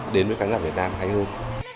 đến với khán giả việt nam hay hơn